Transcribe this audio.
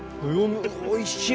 おいしい！